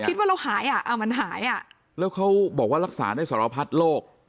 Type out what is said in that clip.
คิดว่าเราหายอ่ะมันหายอ่ะแล้วเขาบอกว่ารักษาได้สารพัดโรค